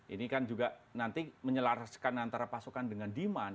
ini kan juga nanti menyelaraskan antara pasokan dengan demand